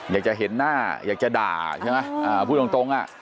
อยากจะเห็นหน้าอยากจะด่าใช่ไหมอ่าพูดตรงอ่ะ